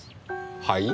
はい？